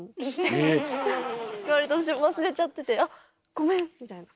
言われて私忘れちゃってて「あっごめん」みたいな。